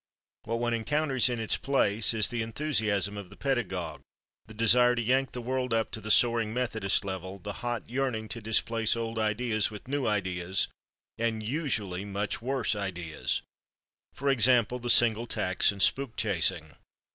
What one encounters in its place is the enthusiasm of the pedagogue, the desire to yank the world up to the soaring Methodist level, the hot yearning to displace old ideas with new ideas, and usually much worse ideas, for example, the Single Tax and spook chasing.